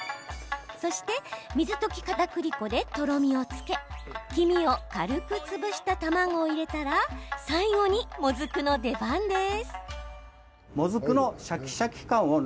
そして水溶きかたくり粉でとろみをつけ黄身を軽く潰した卵を入れたら最後に、もずくの出番です。